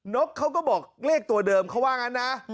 นกเขาก็บอกเลขตัวเดิมเขาว่างั้นนะ